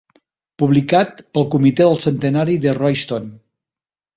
Publicat pel Comitè del Centenari de Royston.